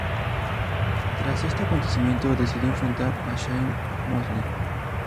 Tras este acontecimiento, decidió enfrentar a Shane Mosley.